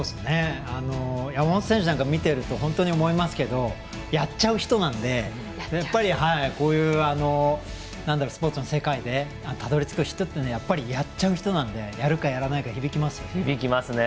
山本選手なんかを見てると本当に思いますけどやっちゃう人なんで、やっぱりこういうスポーツの世界でたどり着く人ってやっちゃう人なのでやるかやらないか響きますよね。